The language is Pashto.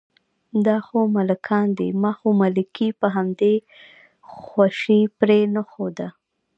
دا خو ملکان دي، ما خو ملکي په همدې خوشې پرېنښوده.